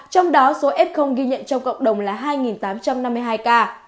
trong đó số s ghi nhận trong cộng đồng là hai tám trăm năm mươi hai ca